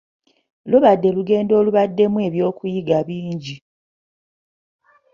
Lubadde olugendo olubaddemu eby'okuyiga bingi.